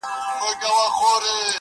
خو ذهن نه هېرېږي هېڅکله تل-